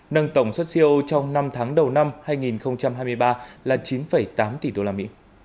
nâng tổng xuất siêu trong năm tháng đầu năm hai nghìn hai mươi ba là chín tám tỷ usd